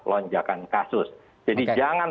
lonjakan kasus jadi jangan